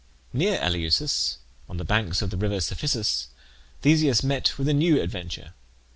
Near Eleusis, on the banks of the river Cephissus, Theseus met with a new adventure.